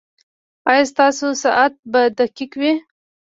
ایا ستاسو ساعت به دقیق وي؟